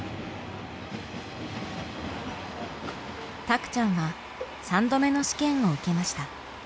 たくちゃんは３度目の試験を受けました。